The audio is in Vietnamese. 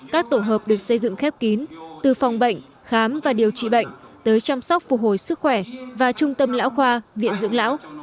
các tổ hợp được xây dựng khép kín từ phòng bệnh khám và điều trị bệnh tới chăm sóc phục hồi sức khỏe và trung tâm lão khoa viện dưỡng lão